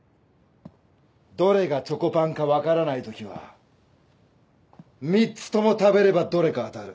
どれがチョコパンか分からないときは３つとも食べればどれか当たる。